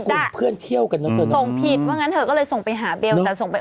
ส่งผิดน่ะส่งผิดว่างั้นเธอก็เลยส่งไปหาเบลล์แต่ส่งไป